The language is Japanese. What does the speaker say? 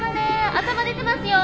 頭出てますよ。